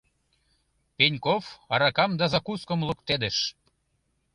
Пеньков аракам да закускым луктедыш.